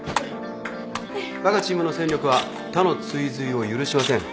わがチームの戦力は他の追随を許しません。